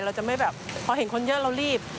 เราจะไม่แบบพอเห็นคนเยอะเรารีบ